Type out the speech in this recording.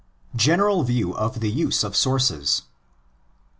—GereneraL View OF THE USE oF SovURCES.